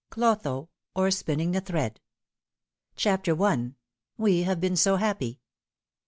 CLOTHO; OR SPINNING THE THREAD. CHAPTER L " WE HAVE BEEN SO HAPPY."